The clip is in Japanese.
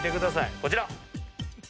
こちら。